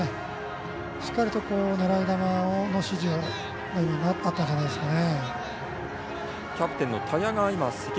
しっかりと狙い球の指示があったんじゃないですかね。